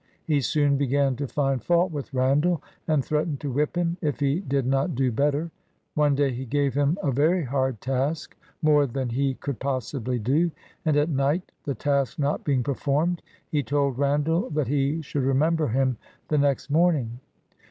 He soon began to find fault with Randall, and threatened to whip him if he did not do better. One clay he gave him a very hard task. — more than he could possibly do, — and at night, the task not being performed, he told Randall that he should remember him the next morning.